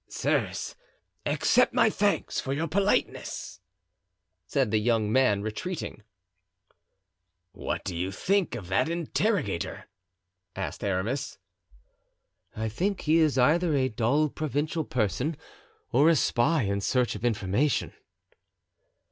"Sirs, accept my thanks for your politeness," said the young man, retreating. "What do you think of that interrogator?" asked Aramis. "I think he is either a dull provincial person or a spy in search of information."